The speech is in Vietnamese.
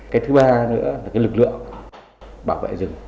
cái thứ ba nữa là cái lực lượng bảo vệ rừng